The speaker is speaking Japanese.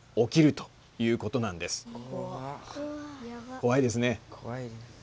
怖いです。